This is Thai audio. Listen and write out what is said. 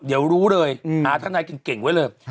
เดี๋ยวรู้เลยหาทนายเก่งไว้เลย